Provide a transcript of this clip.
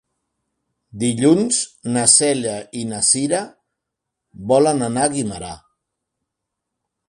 Dilluns na Cèlia i na Cira volen anar a Guimerà.